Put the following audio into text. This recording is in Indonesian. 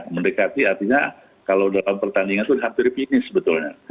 mendekati artinya kalau dalam pertandingan itu hampir finish sebetulnya